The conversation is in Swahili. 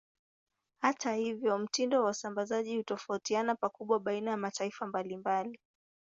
Hata hivyo, mtindo wa usambazaji hutofautiana pakubwa baina ya mataifa mbalimbali.